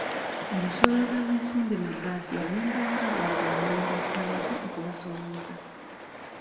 Omusolooza w'ensimbi mu bbaasi yagendanga awagaanya mu basaabaze okubasolooza.